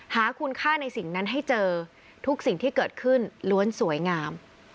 หาคุณค่าในสิ่งนั้นให้เจอทุกสิ่งที่เกิดขึ้นล้วนสวยงาม